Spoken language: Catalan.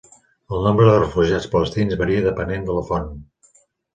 El nombre de refugiats palestins varia depenent de la font.